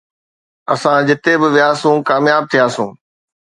اسان جتي به وياسون ڪامياب ٿياسون